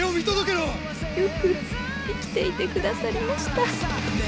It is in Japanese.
よく生きていてくださりました。